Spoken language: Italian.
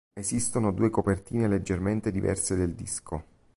Esistono due copertine leggermente diverse del disco.